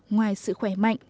ngoài sự khỏe mạnh